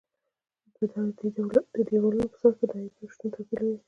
د دېوالونو په سطحو کې د عیبونو شتون توپیر لري.